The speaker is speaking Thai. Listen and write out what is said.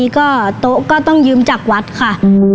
ก็โต๊ะก็ต้องยืมจากวัดค่ะ